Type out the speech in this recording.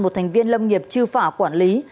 một thành viên lâm nghiệp trư phả quản lý